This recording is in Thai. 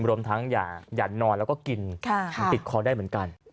รวมทั้งอย่านอนแล้วก็กินมันติดคอได้เหมือนกัน